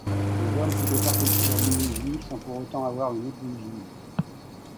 Les hommes pouvaient perpétuer la lignée juive sans pour autant avoir une épouse juive.